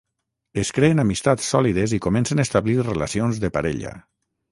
Es creen amistats sòlides i comencen a establir relacions de parella.